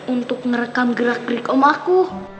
untuk merekam gerak gerik om aku